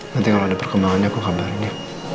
nanti kalau ada perkembangannya aku kabarin